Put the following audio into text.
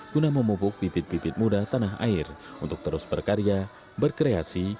guna memupuk bibit bibit muda tanah air untuk terus berkarya berkreasi